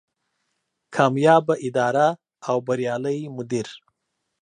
کاميابه اداره او بريالی مدير